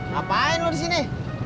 ngapain lo disini